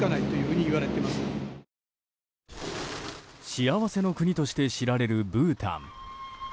幸せの国として知られるブータン。